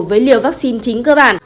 với liều vaccine chính cơ bản